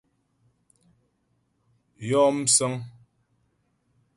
Yɔ msə̌ŋ.